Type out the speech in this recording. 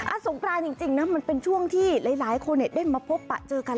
อ่ะสุคลาจริงนะมันเป็นช่วงที่หลายคนเนี่ยได้มาพบปะเจอกัน